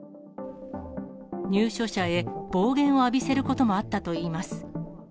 入所者へ暴言を浴びせることもあったといいます。